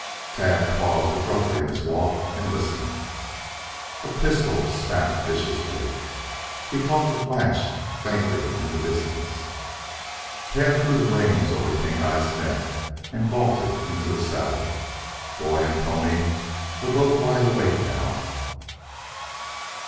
Tad paused abruptly in his walk and listened. A pistol spat viciously. He caught the flash faintly in the distance. Tad threw the reins over Pink eye's neck and vaulted into the saddle. Boy and pony were both wide awake now.